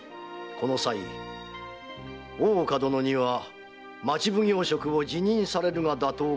この際大岡殿には町奉行職を辞任されるが妥当かと存じます。